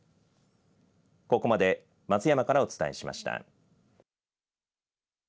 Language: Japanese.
ここまで松山からお伝えしました。